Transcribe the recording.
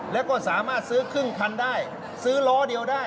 แล้วก็สามารถซื้อครึ่งคันได้ซื้อล้อเดียวได้